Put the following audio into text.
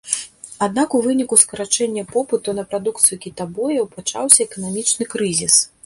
Аднак у выніку скарачэння попыту на прадукцыю кітабояў пачаўся эканамічны крызіс.